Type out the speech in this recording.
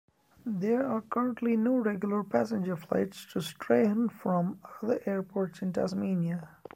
There are currently no regular passenger flights to Strahan from other airports in Tasmania.